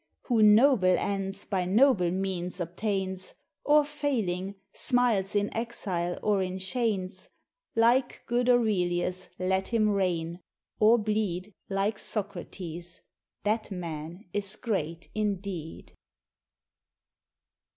Who noble ends by noble means obtains, Or, failing, smiles in exile or in chains, Like good Aurelius let him reign, or bleed Like Socrates, that man is great indeed.